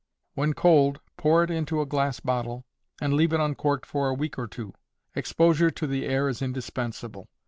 When cold, pour it into a glass bottle, and leave it uncorked for a week or two. Exposure to the air is indispensable.